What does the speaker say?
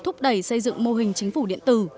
thúc đẩy xây dựng mô hình chính phủ điện tử